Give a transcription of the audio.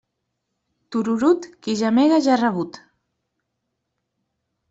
Tururut, qui gemega ja ha rebut.